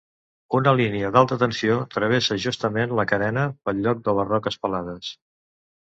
Una línia d'alta tensió travessa justament la carena pel lloc de les roques pelades.